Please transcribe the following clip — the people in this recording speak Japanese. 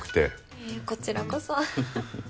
いえこちらこそははっ。